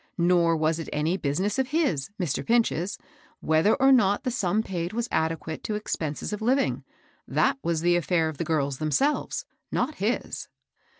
Nor was it any business of his, Mr. Pinch's, whether or not the sum paid was adeipiate to expenses of liying ; that was the afiair of the girls themselves, not his.